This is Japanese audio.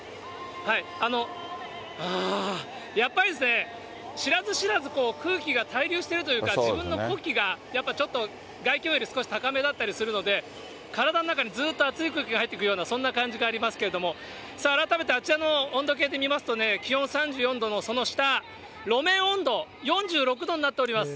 ああ、やっぱりですね、知らず知らず、こう、空気が滞留しているというか、自分の呼気が、やっぱりちょっと外気温より少し高めだったりするので、体の中にずっと暑い空気が入っていくような、そんな感じがありますけれども、改めてあちらの温度計で見ますとね、気温３４度のその下、路面温度、４６度になっております。